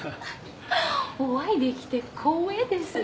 お会いできて光栄デス。